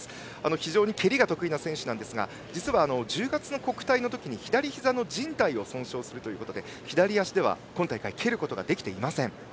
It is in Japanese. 非常に蹴りが得意な選手ですが実は、１０月の国体で左ひざのじん帯を損傷して左足では今大会、蹴ることができていません。